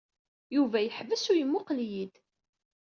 Yuba yeḥbes u yemmuqqel-iyi-d.